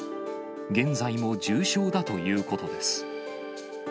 現在も重傷だということです。